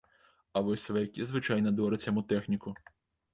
А вось сваякі звычайна дораць яму тэхніку.